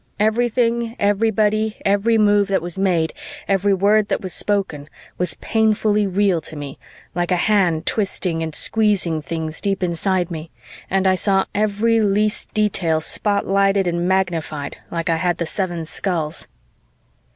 Everything, everybody, every move that was made, every word that was spoken, was painfully real to me, like a hand twisting and squeezing things deep inside me, and I saw every least detail spotlighted and magnified like I had the seven skulls.